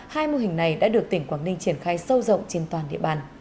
hai mô hình này đã được tỉnh quảng ninh triển khai sâu rộng trên toàn địa bàn